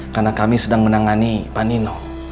karena kami sedang menangani pak nino